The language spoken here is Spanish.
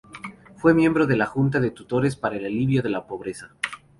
Fue Miembro de la Junta de Tutores para el alivio de la pobreza.